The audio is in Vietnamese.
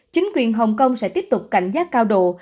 chính quyền hồng kông sẽ tiếp tục cảnh giác cao độ